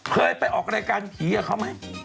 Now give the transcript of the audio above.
เคยไปออกรายการผีกับเขาไหม